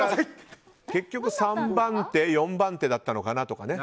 結局、３番手４番手だったのかな、とかね。